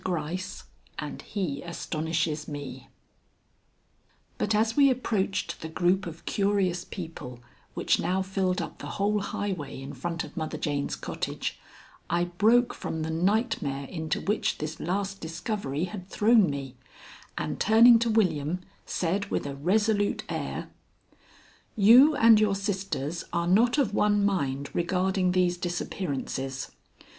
GRYCE AND HE ASTONISHES ME But as we approached the group of curious people which now filled up the whole highway in front of Mother Jane's cottage, I broke from the nightmare into which this last discovery had thrown me, and, turning to William, said with a resolute air: "You and your sisters are not of one mind regarding these disappearances.